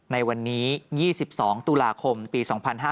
ในวันนี้๒๒ตุลาคมปี๒๕๕๙